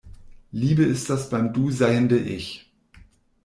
Liebe ist das beim Du seiende Ich.